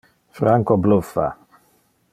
Franco bluffa.